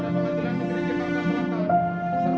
sarjana hukum dan alitin soekjono